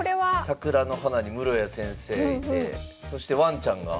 桜の花に室谷先生いてそしてワンちゃんが？